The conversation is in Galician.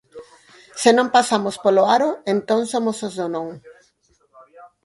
Se non pasamos polo aro, entón somos os do non.